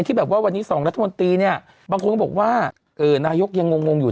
ที่แบบว่าวันนี้สองรัฐมนตรีเนี่ยบางคนก็บอกว่านายกยังงงอยู่